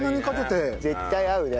絶対合うね。